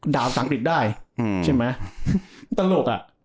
ด่าอังกฤษได้ใช่มั้ยตลกอ่ะ